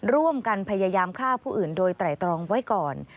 ร่วมกันพยายามฆ่าผู้อื่นโดยไตรตรองไว้ก่อน